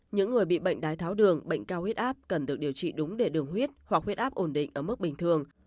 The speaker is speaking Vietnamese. những người bị bệnh đái tháo đường bệnh cao huyết áp cần được điều trị đúng để đường huyết hoặc huyết áp ổn định ở mức bình thường